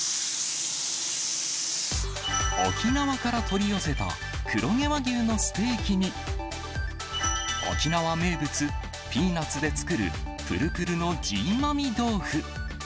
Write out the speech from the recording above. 沖縄から取り寄せた黒毛和牛のステーキに、沖縄名物、ピーナツで作るぷるぷるのジーマミ豆腐。